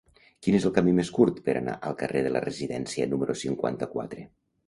Quin és el camí més curt per anar al carrer de la Residència número cinquanta-quatre?